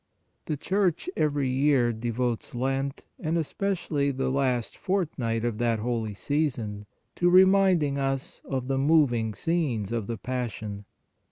The Church every year devotes Lent, and espe cially the last fortnight of that holy season, to re minding us of the moving scenes of the Passion.